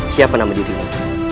siapa nama dirimu